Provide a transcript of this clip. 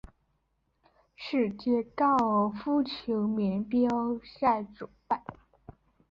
世界高尔夫球锦标赛主办。